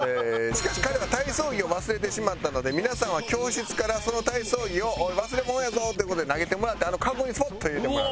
しかし彼は体操着を忘れてしまったので皆さんは教室からその体操着をおい忘れ物やぞ！っていう事で投げてもらってあのカゴにスポッと入れてもらう。